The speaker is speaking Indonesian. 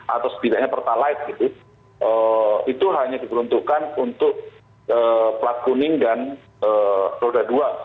atau setidaknya pertalite itu hanya diperuntukkan untuk pelakuning dan roda dua